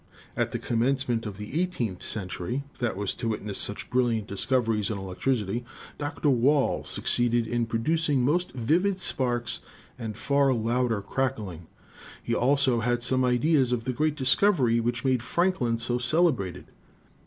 At the commencement of the eighteenth century, that was to witness such brilliant discoveries in electricity, Dr. Wall succeeded in producing most vivid sparks and far louder crackling; he also had some ideas of the great dis covery which made Franklin so celebrated.